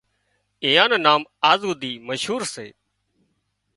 اينئان نام آز هوڌي مشهور سي